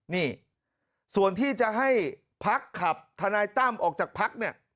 นี่ส่วนที่จะให้พักขับทนายตั้มออกจากพักเนี่ย